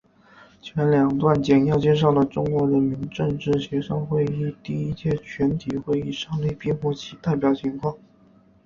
前两段简要介绍了中国人民政治协商会议第一届全体会议胜利闭幕及代表情况。